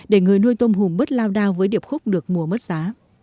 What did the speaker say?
để người nuôi tôm hùm bớt lao đao với điệp khúc được mùa mất giá